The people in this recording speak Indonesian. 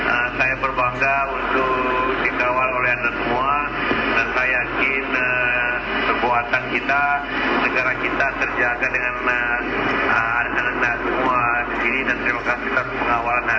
assalamualaikum warahmatullahi wabarakatuh